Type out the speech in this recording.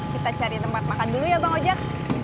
kita cari tempat makan dulu ya bang ojek